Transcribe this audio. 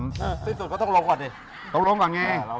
สิ้นสุดก็ต้องลงก่อนดิต้องลงก่อนไง